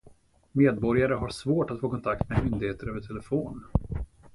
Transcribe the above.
Medborgare har svårt att få kontakt med myndigheter över telefon.